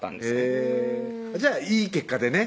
へぇじゃあイイ結果でね